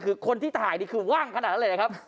คือคนที่ถ่ายนี่คือว่างขนาดนั้นเลยนะครับ